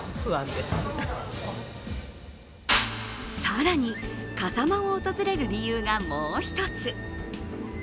更に、笠間を訪れる理由がもう一つ。